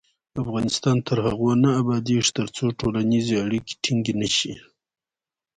افغانستان تر هغو نه ابادیږي، ترڅو ټولنیزې اړیکې ټینګې نشي.